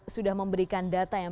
sudah memberikan data yang